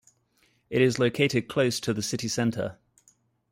It is located close to the city center.